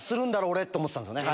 俺って思ってたんですよね。